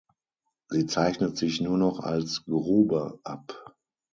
Sie zeichnet sich nur noch als Grube ab.